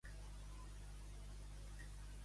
Botifarra, fuet i xoriç.